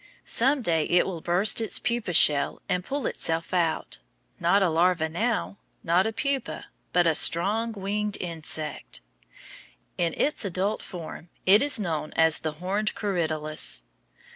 Some day it will burst its pupa shell and pull itself out not a larva now, not a pupa, but a strong winged insect. In its adult form, it is known as the horned corydalus.